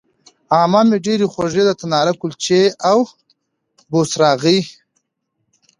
عمه مې ډېرې خوږې د تناره کلچې او بوسراغې